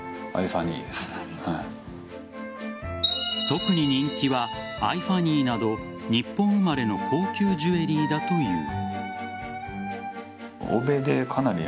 特に人気はＥＹＥＦＵＮＮＹなど日本生まれの高級ジュエリーだという。